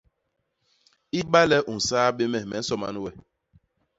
I ba le u nsaa bé me, me nsoman we.